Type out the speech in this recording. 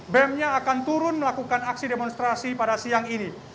bem nya akan turun melakukan aksi demonstrasi pada siang ini